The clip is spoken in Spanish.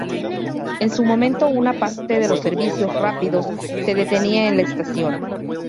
En su momento una parte de los servicios rápidos se detenía en la estación.